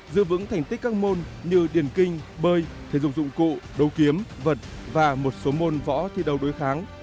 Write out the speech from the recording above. giữ vững thành tích các môn như điền kinh bơi thể dục dụng cụ đấu kiếm vật và một số môn võ thi đấu đối kháng